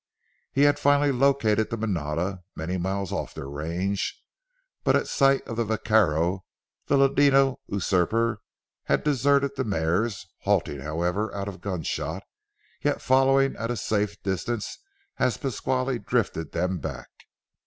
He had finally located the manada, many miles off their range; but at sight of the vaquero the ladino usurper had deserted the mares, halting, however, out of gunshot, yet following at a safe distance as Pasquale drifted them back.